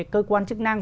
cơ quan chức năng